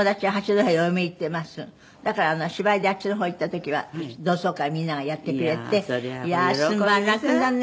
だから芝居であっちの方行った時は同窓会みんながやってくれて「いやーすばらくだね」